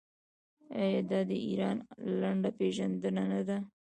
آیا دا د ایران لنډه پیژندنه نه ده؟